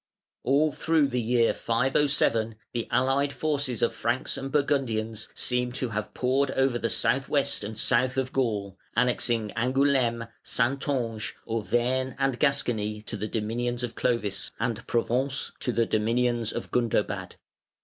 All through the year 507 the allied forces of Franks and Burgundians seem to have poured over the south west and south of Gaul, annexing Angoulème, Saintonge, Auvergne, and Gascony to the dominions of Clovis, and Provence to the dominions of Gundobad.